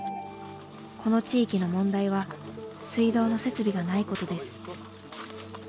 この地域の問題は水道の設備がないことです。